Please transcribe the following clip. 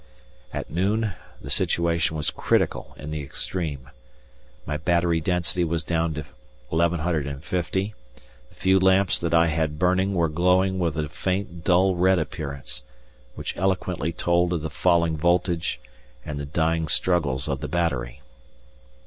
At noon the situation was critical in the extreme. My battery density was down to 1,150, the few lamps that I had burning were glowing with a faint, dull red appearance, which eloquently told of the falling voltage and the dying struggles of the battery.